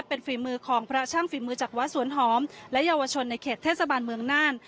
เป็นฝีมือของพระช่างฝีมือจากวัดสวนหอมและเยาวชนในเขตเทศบาลเมืองน่าน